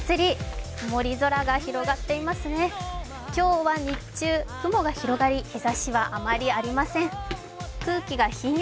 今日は日中、雲が広がり、日ざしはあまりありません。